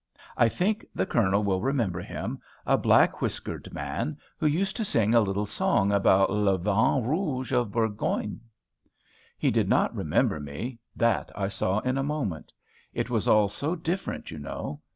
I think the Colonel will remember him, a black whiskered man, who used to sing a little song about le vin rouge of Bourgogne. He did not remember me; that I saw in a moment. It was all so different, you know.